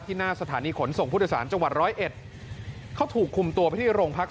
ที่หน้าสถานีขนส่งผู้โดยสารจังหวัด๑๐๑เขาถูกคุมตัวไปที่โรงพักษ์